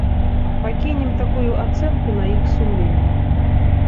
Пакінем такую ацэнку на іх сумленні.